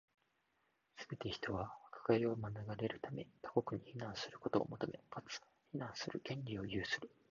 すべて人は、迫害を免れるため、他国に避難することを求め、かつ、避難する権利を有する。